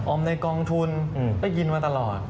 ในกองทุนได้ยินมาตลอด